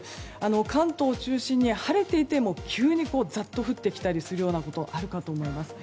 関東を中心に晴れていても急にザッと降ってくることがあるかと思います